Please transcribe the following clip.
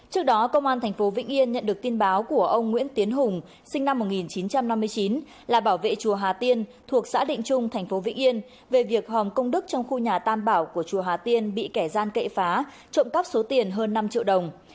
trước đó công an tp vĩnh yên nhận được tin báo của ông nguyễn tiến hùng sinh năm một nghìn chín trăm năm mươi chín là bảo vệ chùa hà tiên thuộc xã định trung thành phố vĩnh yên về việc hòm công đức trong khu nhà tam bảo của chùa hà tiên bị kẻ gian cậy phá trộm cắp số tiền hơn năm triệu đồng